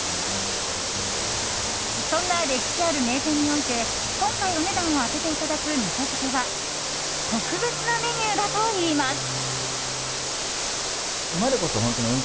そんな歴史ある名店において今回、お値段を当てていただく味噌漬けは特別なメニューだといいます。